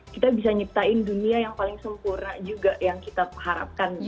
kita bisa nyiptain dunia yang paling sempurna juga yang kita harapkan